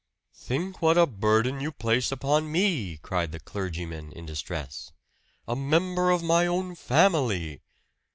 "Think what a burden you place upon me!" cried the clergyman in distress. "A member of my own family!"